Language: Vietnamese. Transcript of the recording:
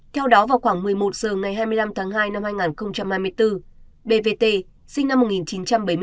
theo đó vào khoảng một mươi một h ngày hai mươi năm tháng hai năm hai nghìn hai mươi bốn bvt sinh năm một nghìn chín trăm bảy mươi bốn